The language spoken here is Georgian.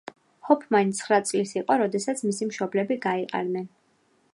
ჰოფმანი ცხრა წლის იყო, როდესაც მისი მშობლები გაიყარნენ.